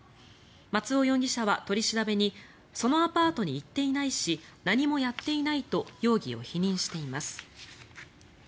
松尾容疑者は取り調べにそのアパートに行っていないし何もやっていないと容疑を否認しています。